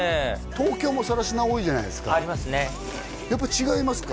東京も更科多いじゃないですかありますねやっぱ違いますか？